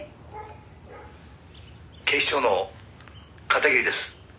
「警視庁の片桐です」